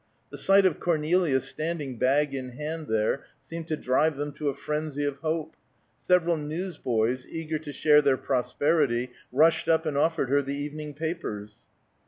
The sight of Cornelia standing bag in hand there, seemed to drive them to a frenzy of hope; several newsboys, eager to share their prosperity, rushed up and offered her the evening papers.